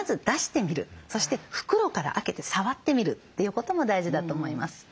そして袋から開けて触ってみるということも大事だと思います。